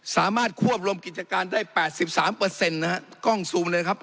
สามารถควบลมกิจการได้แปดสิบสามเปอร์เซ็นต์นะฮะกล้องซูมเลยครับ